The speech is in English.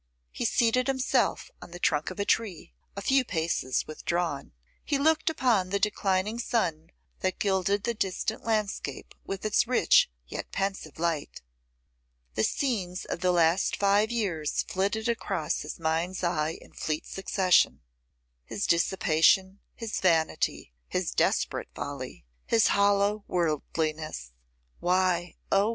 He seated himself on the trunk of a tree, a few paces withdrawn; he looked upon the declining sun that gilded the distant landscape with its rich yet pensive light. The scenes of the last five years flitted across his mind's eye in fleet succession; his dissipation, his vanity, his desperate folly, his hollow worldliness. Why, oh!